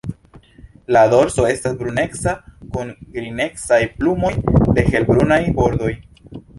La dorso estas bruneca kun nigrecaj plumoj de helbrunaj bordoj.